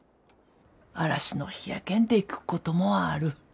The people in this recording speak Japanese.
嵐の日やけんでくっこともある。